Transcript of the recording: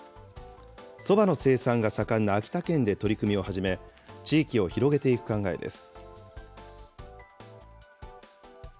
そばの生産が盛んな秋田県で取り組みを始め、地域を広げていく考えです。